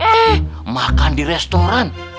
eh makan di restoran